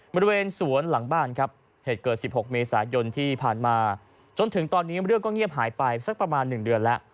บริเวณสวนหลังบ้านครับเหตุเกิด๑๖เมษายนที่ผ่านมาจนถึงตอนนี้เรื่องก็เงียบหายไปสักประมาณ๑เดือนแล้ว